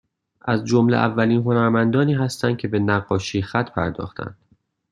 از جمله اولین هنرمندانی هستند که به نقاشیخط پرداختند